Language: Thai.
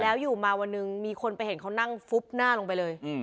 แล้วอยู่มาวันหนึ่งมีคนไปเห็นเขานั่งฟุบหน้าลงไปเลย